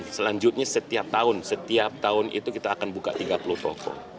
selanjutnya setiap tahun setiap tahun itu kita akan buka tiga puluh toko